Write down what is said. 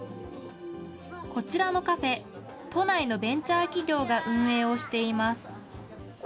こちらのカフェ、都内のベンチャー企業が運営をしています。